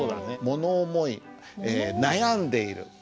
もの思い悩んでいる。